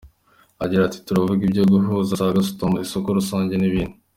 Agira ati “Turavuga ibyo guhuza za gasutamo, isoko rusange n’ibindi.